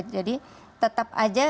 jadi tetap saja